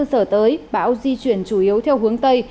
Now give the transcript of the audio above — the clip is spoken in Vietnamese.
giờ tới bão di chuyển chủ yếu theo hướng tây